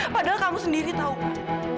padahal kamu sendiri tahu pak